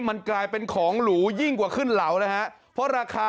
มันกลายเป็นของหรูยิ่งกว่าขึ้นเหลานะฮะเพราะราคา